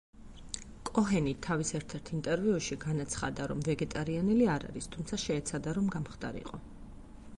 კოჰენი თავის ერთ-ერთ ინტერვიუში განაცხადა, რომ ვეგეტარიანელი არ არის, თუმცა, შეეცადა რომ გამხდარიყო.